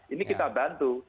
ini kita bantu